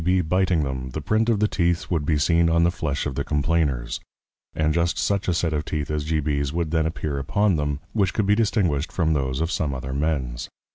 B._ Biting them, the print of the Teeth would be seen on the Flesh of the Complainers, and just such a Set of Teeth as G. B's would then appear upon them, which could be distinguished from those of some other Mens.